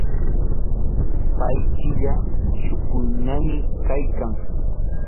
pay chila shukuyniyuqmi kaykan.